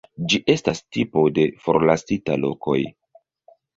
Ĝi estas tipo de forlasita lokoj.